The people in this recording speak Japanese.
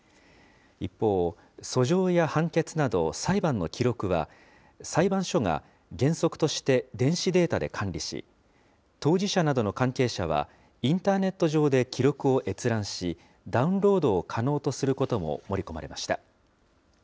一方、訴状や判決など、裁判の記録は、裁判所が原則として電子データで管理し、当事者などの関係者は、インターネット上で記録を閲覧し、ダウンロードを可能とすることも盛り込まれました。